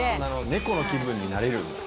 猫の気分になれるんだ。